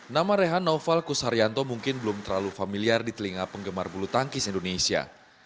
nama rehan noval kusaryanto mungkin belum terlalu familiar di telinga penggemar bulu tangkis indonesia